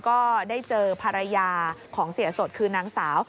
ก็ได้เจอภรรยาของเสียสดคือนางสาว